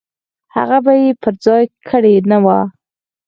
هغه یې پر ځای کړې نه وي.